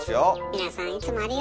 皆さんいつもありがと。